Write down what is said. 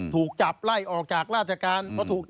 ถูกจับไล่ออกจากราชการ